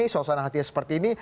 suasana hatinya seperti ini